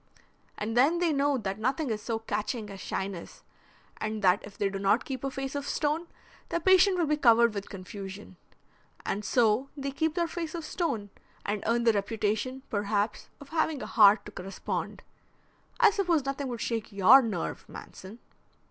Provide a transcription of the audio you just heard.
And then they know that nothing is so catching as shyness, and that if they do not keep a face of stone, their patient will be covered with confusion. And so they keep their face of stone, and earn the reputation perhaps of having a heart to correspond. I suppose nothing would shake your nerve, Manson."